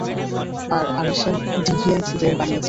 আর Arishem ডিভিয়েন্টদের বানিয়েছে।